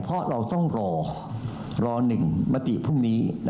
เพราะเราต้องรอรอ๑มติพรุ่งนี้